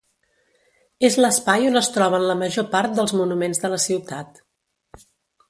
És l'espai on es troben la major part dels monuments de la ciutat.